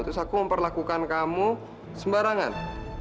terus aku memperlakukan kamu sembarangan